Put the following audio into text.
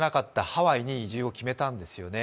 ハワイに移住を決めたんですよね。